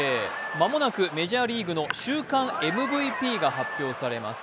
間もなくメジャーリーグの週間ＭＶＰが発表されます。